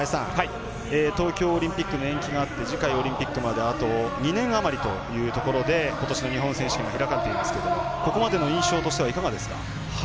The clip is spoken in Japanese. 東京オリンピックの延期があって次回オリンピックまであと２年あまりというところでことしの日本選手権が開かれていますけれどもここまでの印象としてはいかがですか。